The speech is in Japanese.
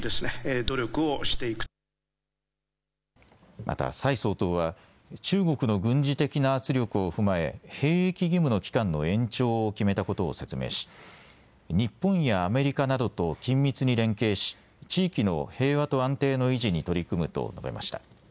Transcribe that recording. また蔡総統は中国の軍事的な圧力を踏まえ兵役義務の期間の延長を決めたことを説明し日本やアメリカなどと緊密に連携し地域の平和と安定の維持に取り組むと述べました。